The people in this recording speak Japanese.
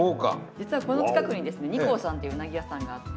実はこの近くにですね二幸さんっていううなぎ屋さんがあって。